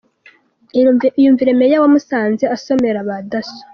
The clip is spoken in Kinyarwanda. Iyumvire Meya wa Musanze asomera ba Daso.